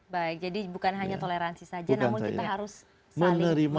baik jadi bukan hanya toleransi saja namun kita harus saling